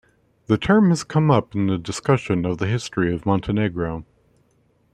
The term has come up in the discussion of the history of Montenegro.